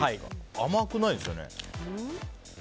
甘くないんですよね。